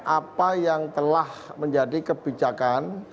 apa yang telah menjadi kebijakan